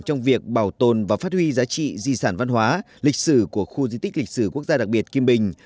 trong việc bảo tồn và phát huy giá trị di sản văn hóa lịch sử của khu di tích lịch sử quốc gia đặc biệt kim bình